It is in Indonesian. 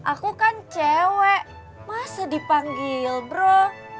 aku kan cewek masa dipanggil bro